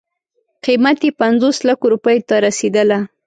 قیمت یې پنځوس لکو روپیو ته رسېدله.